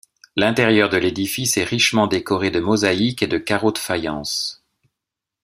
L'intérieur de l'édifice est richement décoré de mosaïques et de carreaux de faïence.